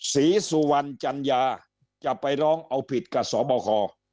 ศรีสุวรรณจัญญาจะไปร้องเอาผิดกับสบค